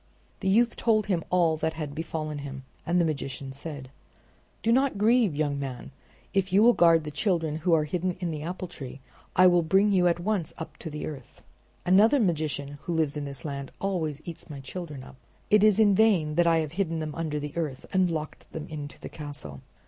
The youth told him all that had befallen him, and the magician said: "Do not grieve, young man! If you will guard the children who are hidden in the golden apple tree I will bring you at once up to the earth. Another magician who lives in this land always eats my children up. It is in vain that I have hidden them under the earth and locked them into the castle.